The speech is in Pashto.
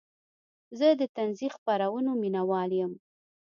زه د طنزي خپرونو مینهوال یم.